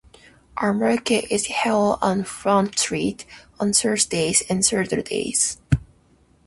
A market is held on Front Street on Thursdays and Saturdays.